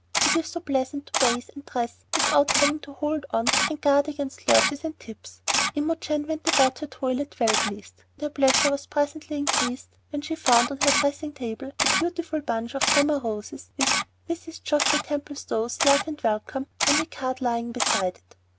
It is so pleasant to bathe and dress without having to hold on and guard against lurches and tips. Imogen went about her toilet well pleased; and her pleasure was presently increased when she found on her dressing table a beautiful bunch of summer roses, with "Mrs. Geoffrey Templestowe's love and welcome" on a card lying beside it.